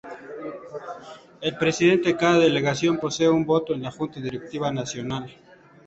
El Presidente de cada delegación posee un voto en la Junta Directiva Nacional.